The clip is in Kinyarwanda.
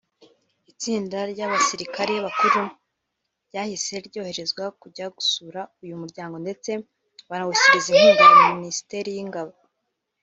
Itsinda ry'abasirikare bakuru ryahise ryoherezwa kujya gusura uyu muryango ndetse banawushyikiriza inkunga ya Ministeri y'ingabo